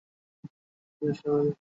আমি তাকে বাঁচাতে চেষ্টা করছি!